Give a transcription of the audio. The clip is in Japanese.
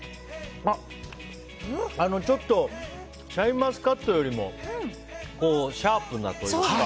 ちょっとシャインマスカットよりもシャープなというか。